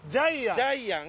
ジャイアン。